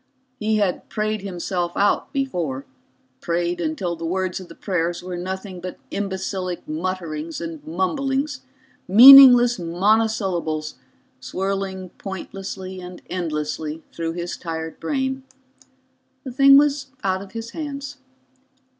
He had prayed himself out before, prayed until the words of the prayers were nothing but imbecilic mutterings and mumblings, meaningless monosyllables swirling pointlessly and endlessly through his tired brain. The thing was out of his hands.